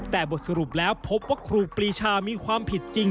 แต่บทสรุปแล้วพบว่าครูปรีชามีความผิดจริง